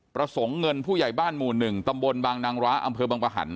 ประสงค์เงินผู้ใหญ่บ้านหมู่๑ตำบลบางนางร้าอำเภอบางประหัน